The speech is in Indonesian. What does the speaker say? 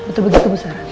betul begitu bu sara